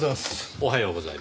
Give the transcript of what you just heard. おはようございます。